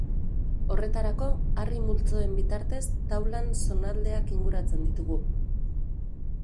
Horretarako, harri multzoen bitartez taulan zonaldeak inguratzen ditugu.